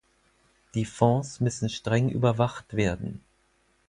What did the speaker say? Die Fonds müssen streng überwacht werden.